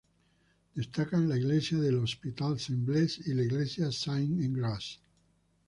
Destacan la iglesia de L'Hôpital-Saint-Blaise y la iglesia de Sainte-Engrâce.